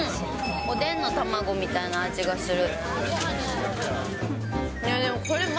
おでんの卵みたいな味がする。